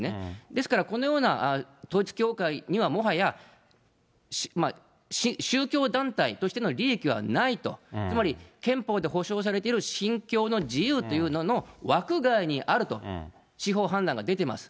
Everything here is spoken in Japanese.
ですから、このような統一教会にはもはや宗教団体としての利益はないと、つまり憲法で保障されている信教の自由というのの枠外にあると、司法判断が出ています。